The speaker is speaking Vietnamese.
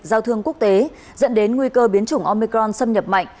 giao thương quốc tế dẫn đến nguy cơ biến chủng omecron xâm nhập mạnh